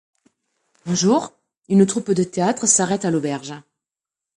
Un jour, une troupe de théâtre s'arrête à l'auberge.